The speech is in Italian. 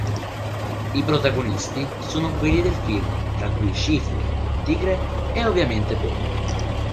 I protagonisti sono quelli del film, tra cui Shifu, Tigre e, ovviamente, Po.